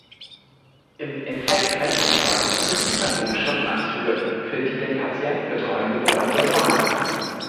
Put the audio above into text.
Im Infekt-Rettungswagen sind Überdruck-Schutzanzüge für die den Patienten betreuende Besatzung vorhanden.